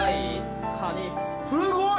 すごい！